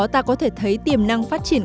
ta có thể thấy tiềm năng phát triển